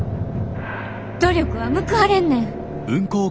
努力は報われんねん。